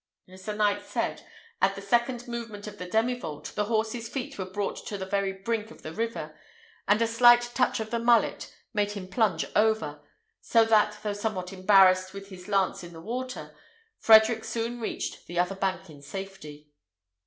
As the knight said, at the second movement of the demivolte, the horse's feet were brought to the very brink of the river, and a slight touch of the mullet made him plunge over; so that, though somewhat embarrassed with his lance in the water, Frederick soon reached the other bank in safety.